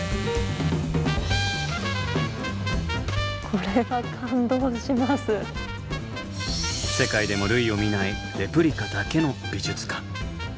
これは世界でも類を見ないレプリカだけの美術館。